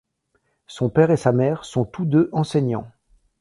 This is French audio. Son père et sa mère sont tous deux enseignants.